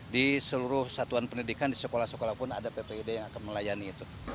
di seluruh satuan pendidikan di sekolah sekolah pun ada ppid yang akan melayani itu